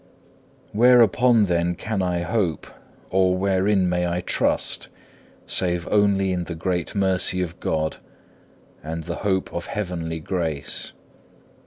Whereupon then can I hope, or wherein may I trust, save only in the great mercy of God, and the hope of heavenly grace?